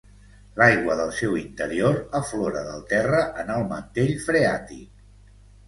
L'aigua del seu interior aflora del terra, en el mantell freàtic.